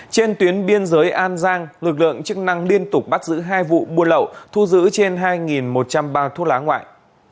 trên tuyến biên giới an giang lực lượng chức năng liên tục bắt giữ hai vụ buôn lậu thu giữ trên hai một trăm linh bao thuốc lá ngoại